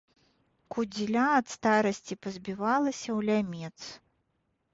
Кудзеля ад старасці пазбівалася ў лямец.